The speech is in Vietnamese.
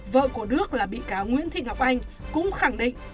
vợ của đức là bị cáo nguyễn thị ngọc anh cũng khẳng định